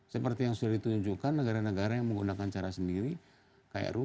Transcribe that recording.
seperti yang sudah ditunjukkan negara negara lainnya akan memilih cara sendiri sendiri